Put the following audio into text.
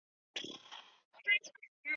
黄色素细胞将沿脊椎和四肢上端排列。